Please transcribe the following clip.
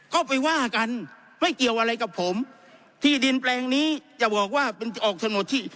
ก็ไปว่ากันไม่เกี่ยวอะไรกับผมที่ดินแปลงนี้จะบอกว่ามันจะออกถนนที่